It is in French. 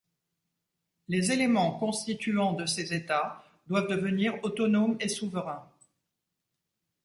Les éléments constituants de ces États doivent devenir autonomes et souverains.